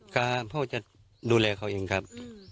ก็พ่อจะดูแลเขาเองครับ